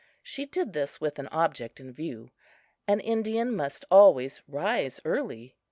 She did this with an object in view. An Indian must always rise early.